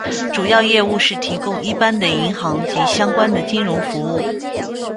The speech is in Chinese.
主要业务是提供一般的银行及相关的金融服务。